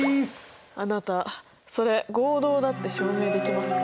あなたそれ合同だって証明できますか？